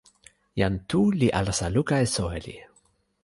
jan Tu li alasa luka e soweli.